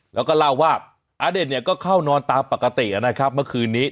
แล้วก็เล่าว่าอเดชเนี่ยก็เข้านอนตามปกตินะครับเมื่อคืนนี้